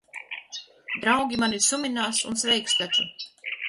Draugi mani suminās un sveiks taču.